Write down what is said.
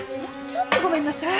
ちょっとごめんなさい。